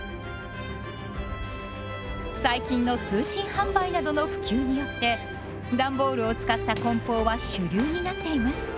最近の通信販売などの普及によってダンボールを使った梱包は主流になっています。